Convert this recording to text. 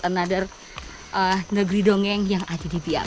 another negeri dongeng yang ada di piang